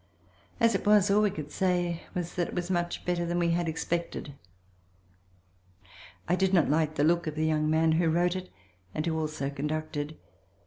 As it was, all we could say was that it was much better than we had expected. I did not like the look of the young man who wrote it and who also conducted.